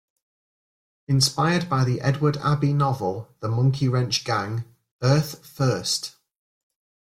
Inspired by the Edward Abbey novel "The Monkey Wrench Gang", Earth First!